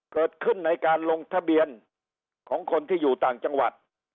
เกิดขึ้นในการลงทะเบียนของคนที่อยู่ต่างจังหวัด